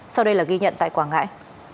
sau đây là ghi nhận tại quảng ngãi